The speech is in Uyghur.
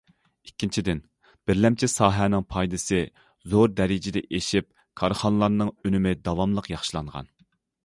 ئىككىنچىدىن، بىرلەمچى ساھەنىڭ پايدىسى زور دەرىجىدە ئېشىپ، كارخانىلارنىڭ ئۈنۈمى داۋاملىق ياخشىلانغان.